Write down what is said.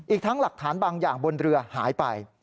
อีกทั้งหลักฐานบางอย่างบนเรือหายไป